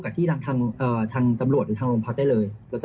กับที่ลองทางทางตำรวจหรือทางโรงพักที่เล่นเนี้ยลงจะ